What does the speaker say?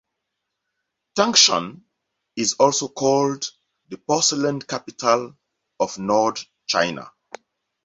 Tangshan is also called the porcelain capital of North China.